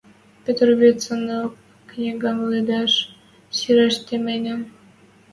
Петр верцӹнок книгӓм лыдаш, сирӓш тыменьӹн.